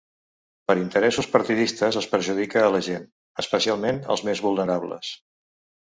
Per interessos partidistes es perjudica a la gent, especialment als més vulnerables.